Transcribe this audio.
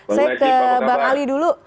saya ke bang ali dulu